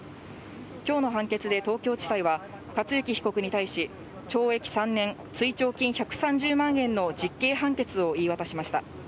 きょうの判決で東京地裁は、克行被告に対し、懲役３年、追徴金１３０万円の実刑判決を言い渡しました。